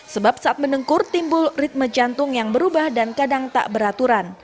sebab saat mendengkur timbul ritme jantung yang berubah dan kadang tak beraturan